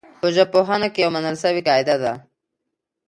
په ژبپوهنه کي يوه منل سوې قاعده ده.